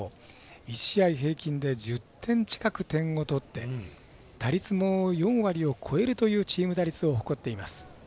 １試合平均で１０点近く点を取って打率も４割を超えるというチーム打率を誇っています。